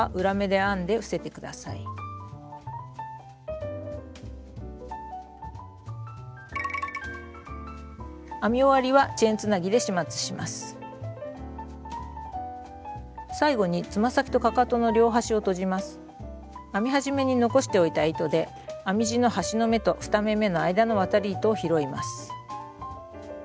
編み始めに残しておいた糸で編み地の端の目と２目めの間の渡り糸を拾います。